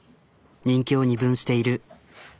人気を二分している。